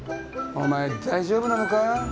お前大丈夫なのか？